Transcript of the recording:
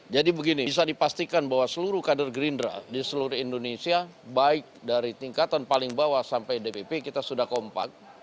jadi begini bisa dipastikan bahwa seluruh kader gerindra di seluruh indonesia baik dari tingkatan paling bawah sampai dpp kita sudah kompak